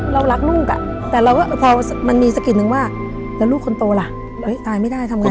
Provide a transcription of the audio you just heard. เรารักลูกอ่ะแต่เราก็พอมันมีสะกิดนึงว่าแล้วลูกคนโตล่ะตายไม่ได้ทำไง